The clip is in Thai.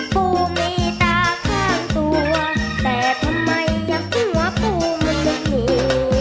ปูมีตาข้างตัวแต่ทำไมยัดหัวปูมันจะมี